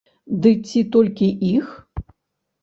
Ды ці толькі іх?